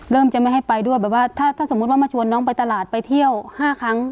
จะไม่ให้ไปด้วยแบบว่าถ้าสมมุติว่ามาชวนน้องไปตลาดไปเที่ยว๕ครั้ง